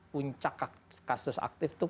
puncak kasus aktif itu